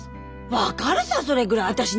分かるさそれぐらい私にも。